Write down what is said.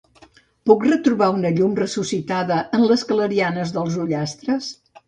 Puc retrobar una llum ressuscitada en les clarianes dels ullastres?